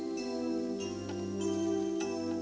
janganlah kau berguna